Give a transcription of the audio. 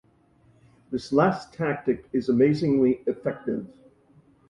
This last tactic is amazingly effective.